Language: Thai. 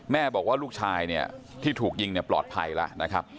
แม่บอกว่าลูกชายที่ถูกยิงปลอดภัยแล้วนะครับ